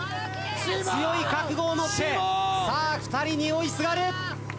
強い覚悟を持ってさあ２人に追いすがる。